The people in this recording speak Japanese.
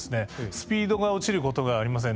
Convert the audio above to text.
スピードが落ちることがありません。